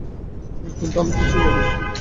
কিন্তু আমি কিছুই জানি না!